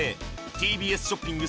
ＴＢＳショッピング